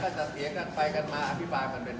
จะเฉียนไปกันมาอธิภาคมันเป็นบทผลักษณ์ของอันเวิ้น